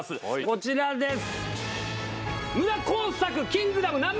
こちらです。